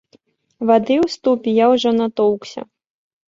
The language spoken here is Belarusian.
Вады ў ступе я ўжо натоўкся.